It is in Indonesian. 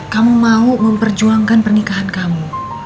kamu mau memperjuangkan pernikahan kamu